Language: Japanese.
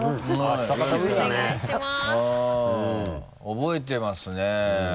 覚えてますね。